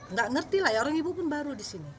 nggak ngerti lah ya orang ibu pun baru di sini